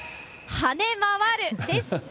跳ね回るです。